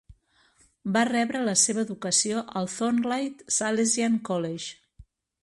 Va rebre la seva educació al Thornleigh Salesian College.